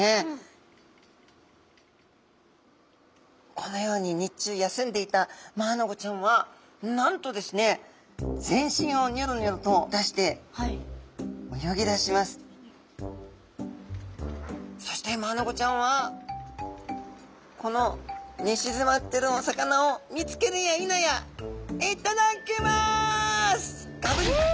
このように日中休んでいたマアナゴちゃんはなんとですね全身をニョロニョロと出してそしてマアナゴちゃんはこのねしずまってるお魚を見つけるやいなや「いっただっきます！」。